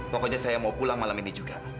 pokoknya saya mau pulang malam ini juga